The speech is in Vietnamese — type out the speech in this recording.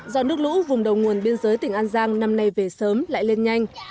do nước lũ vùng đầu nguồn biên giới tỉnh an giang năm nay về sớm lại lên nhanh